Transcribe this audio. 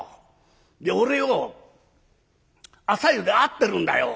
俺よ朝湯で会ってるんだよ。